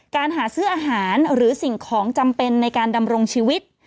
หาซื้ออาหารหรือสิ่งของจำเป็นในการดำรงชีวิต